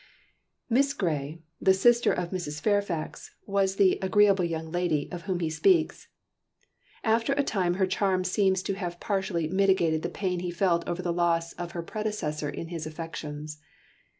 Miss Gary, the sister of Mrs. Fairfax, was the "agreeable young lady" of whom he speaks. After a time her charm seems to have partially mitigated the pain he felt over the loss of her predecessor in his affections.